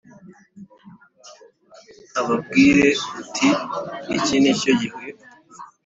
Ubabwire uti iki ni cyo gihe